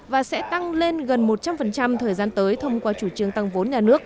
và sẽ tăng lên gần một trăm linh thời gian tới thông qua chủ trương tăng vốn nhà nước